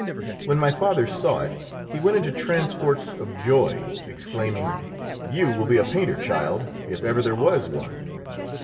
When my father saw it he went into transports of joy, exclaiming, "You will be a painter, child, if ever there was one!"